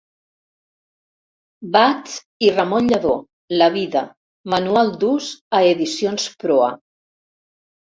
Bats i Ramon Lladó La vida, manual d'ús a Edicions Proa.